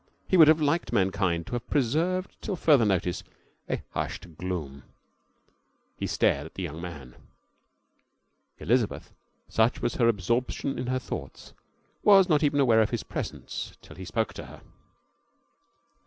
He would have liked mankind to have preserved till further notice a hushed gloom. He glared at the young man. Elizabeth, such was her absorption in her thoughts, was not even aware of his presence till he spoke to her.